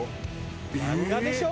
漫画でしょ？